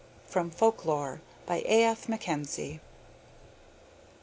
From 'Folk Lore,' by A. F. Mackenzie.